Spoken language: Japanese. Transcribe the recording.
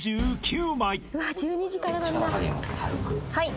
はい。